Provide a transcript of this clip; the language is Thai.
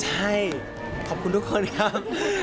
ใช่ขอบคุณทุกคนครับ